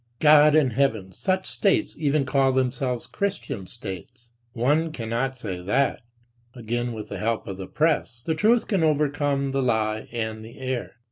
God in heaven, such states even call themselves Christian states. One cannot say that, again with the help of the press, "the truth" can overcome the lie and the error.